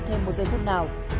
thêm một giây phút nào